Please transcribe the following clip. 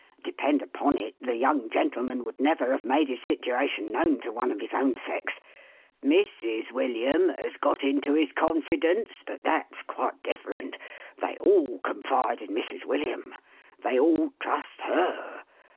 Depend upon it, the young gentleman would never have made his situation known to one of his own sex. Mrs. William has got into his con fidence, but that's quite different. They all confide in Mrs. AVilliam ; they all trust her.